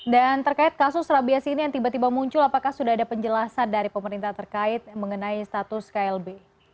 dan terkait kasus rabies ini yang tiba tiba muncul apakah sudah ada penjelasan dari pemerintah terkait mengenai status klb